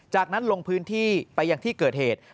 จากนั้นลงพื้นที่ไปยังที่เกิดเหตุ